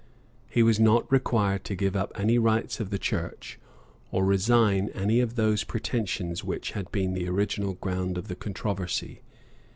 He was not required to give up any rights of the church, or resign any of those pretensions which had been the original ground of the controversy.